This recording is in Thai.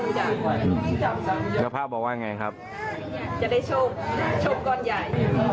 ลดนมนต์จากอืมแล้วพ่อบอกว่าไงครับจะได้โชคโชคก่อนใหญ่